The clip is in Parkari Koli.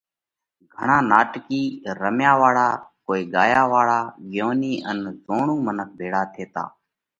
گھڻا ناٽڪِي، رميا واۯا، ڪوِي، ڳايا واۯا، ڳيونِي ان زوڻُو منک ڀيۯا ٿيتا۔